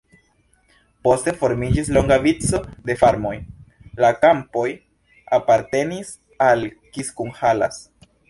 Poste formiĝis longa vico de farmoj, la kampoj apartenis al Kiskunhalas.